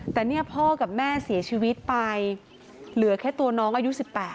แต่เนี่ยพ่อกับแม่เสียชีวิตไปเหลือแค่ตัวน้องอายุ๑๘